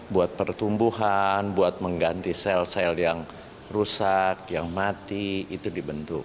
buat pertumbuhan buat mengganti sel sel yang rusak yang mati itu dibentuk